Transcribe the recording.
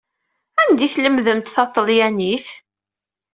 Anda i tlemdemt taṭelyanit?